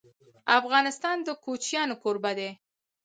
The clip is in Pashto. افغانستان د کوچیان کوربه دی.